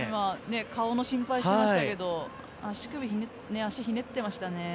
顔の心配しましたけど足ひねってましたね。